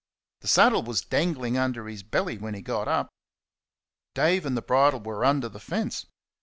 The saddle was dangling under his belly when he got up; Dave and the bridle were under the fence.